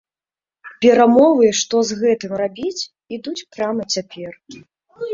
Перамовы, што з гэтым рабіць, ідуць прама цяпер.